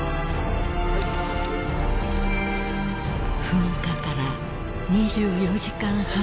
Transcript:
［噴火から２４時間半］